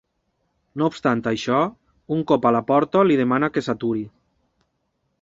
No obstant això, un cop a la porta li demana que s'aturi.